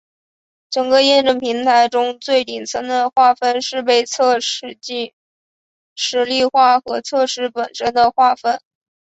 整个验证平台中最顶层的划分是被测设计实例化和测试本身的划分。